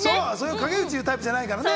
陰口言うタイプじゃないからね。